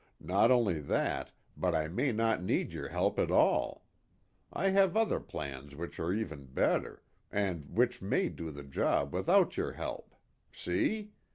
Not only that, but I may not need your help at all. I have other plans which are even better, and which may do the job without your help. See?